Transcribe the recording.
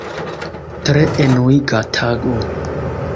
Tre enuiga tago.